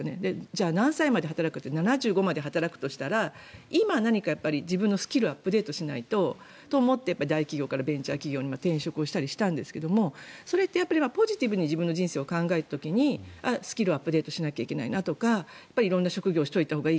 じゃあ何歳まで働くかって７５歳まで働くとしたら今、自分のスキルをアップデートしないとと思って大企業からベンチャー企業に転職したりしたんですがそれってポジティブに自分の人生を考えた時にスキルをアップデートしなきゃいけないとか思うんですよ。